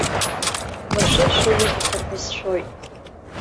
Машәыр шәылибахыр ҳәа сшәоит.